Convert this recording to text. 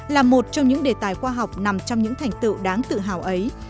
là một trong những đề tài khoa học nằm trong những thành tựu đáng tự hào ấy